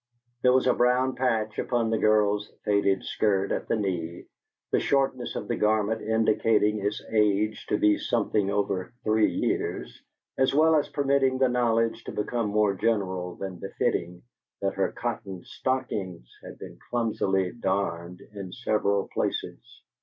There was a brown patch upon the girl's faded skirt at the knee; the shortness of the garment indicating its age to be something over three years, as well as permitting the knowledge to become more general than befitting that her cotton stockings had been clumsily darned in several places.